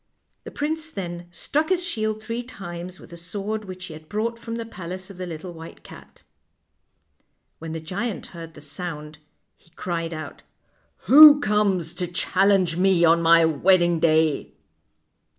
The prince then struck his shield three times with the sword which he had brought from the palace of the little white cat. When the giant heard the sound he cried out: " Who comes to challenge me on my wedding day?